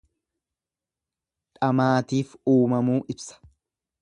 Dhamaatiif uumamuu ibsa.